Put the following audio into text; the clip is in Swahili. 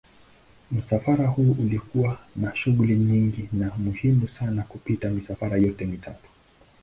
Msafara huu ulikuwa una shughuli nyingi na muhimu sana kupita misafara yote mitatu.